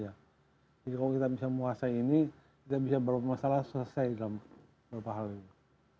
jadi kalau kita bisa menguasai ini kita bisa membuat masalah selesai dalam beberapa hal ini